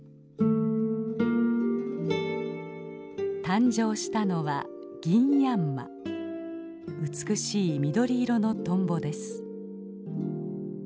誕生したのは美しい緑色のトンボです。